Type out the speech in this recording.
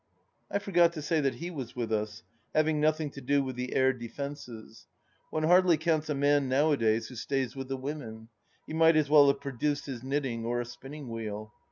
I forgot to say that he was with us, having nothing to do with the air defences. One hardly counts a man nowadays who stays with the women ; he might as well have produced his knitting or a spinning wheel.